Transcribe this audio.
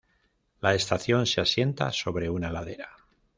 La estación se asienta sobre una ladera.